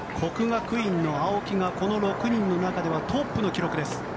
國學院の青木がこの６人の中ではトップの記録です。